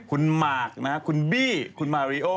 คุณหมากคุณบี้คุณมาริโอ